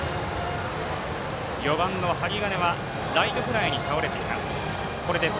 ４番の針金がライトフライに倒れています。